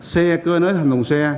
xe cơi nới thành thùng xe